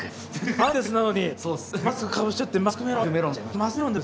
アンデスなのにマスクかぶせちゃってマスクメロンで。